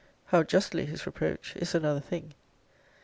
how justly his reproach, is another thing.